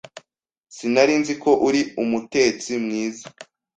Sinari nzi ko uri umutetsi mwiza.